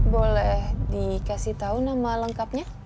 boleh dikasih tahu nama lengkapnya